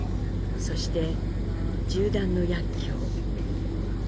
そして銃弾の薬きょう。